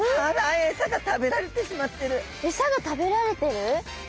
エサが食べられてる？